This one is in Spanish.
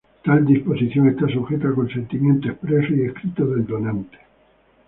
Tal disposición está sujeta a consentimiento expreso y escrito del donante.